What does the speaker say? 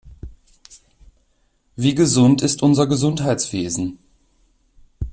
Wie gesund ist unser Gesundheitswesen?